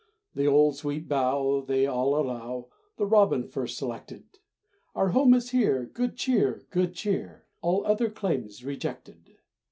The old sweet bough, They all allow, The robin first selected. "Our home is here, Good cheer, good cheer, All other claims rejected."